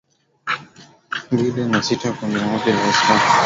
mbili na sita kundi moja la Wiaslamu lilizua tafrani baada ya kuenea kwa fununu